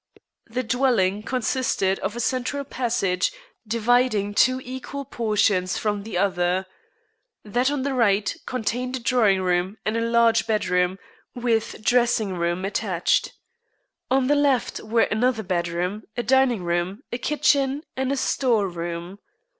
The dwelling consisted of a central passage, dividing two equal portions from the other. That on the right contained a drawing room and a large bedroom, with dressing room attached. On the left were another bedroom, a dining room, a kitchen, and a store room.